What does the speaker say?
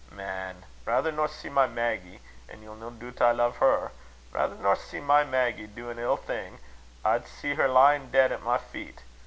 Man, raither nor see my Maggy an' ye'll no doot 'at I lo'e her raither nor see my Maggy do an ill thing, I'd see her lyin' deid at my feet.